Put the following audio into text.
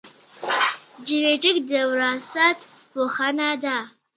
جینېټیک د وراثت پوهنه ده